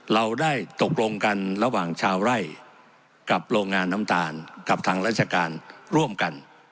เราได้ตกลงกันระหว่างชาวไร่กับโรงงานน้ำตาลกับทางราชการร่วมกัน